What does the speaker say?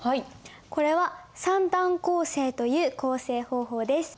これは三段構成という構成方法です。